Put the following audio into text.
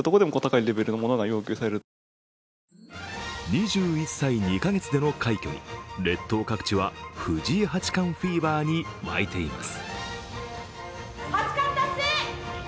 ２１歳２か月での快挙に、列島各地は藤井八冠フィーバーに沸いています。